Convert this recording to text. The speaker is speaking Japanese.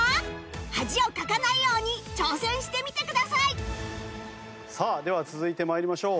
恥をかかないように挑戦してみてくださいでは続いて参りましょう。